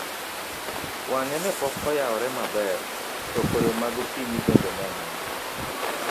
wang'e ne pok oyawre maber, to koyo ma gokinyi bende ne ng'eny